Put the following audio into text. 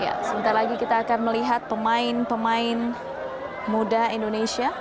ya sebentar lagi kita akan melihat pemain pemain muda indonesia